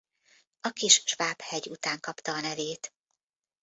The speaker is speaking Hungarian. A Kis-Sváb-hegy után kapta a nevét.